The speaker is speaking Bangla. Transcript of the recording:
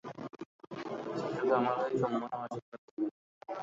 শিশুকে আমার হয়ে চুম্বন ও আশীর্বাদ দিবেন।